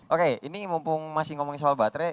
oke ini mumpung masih ngomongin soal baterai